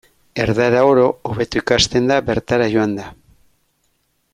Erdara oro hobeto ikasten da bertara joanda.